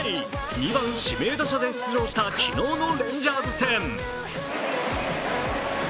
２番・指名打者で出場した昨日のレンジャーズ戦。